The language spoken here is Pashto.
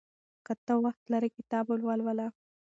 که ته وخت لرې کتاب ولوله.